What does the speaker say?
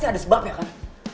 tidak ada sebab ya kan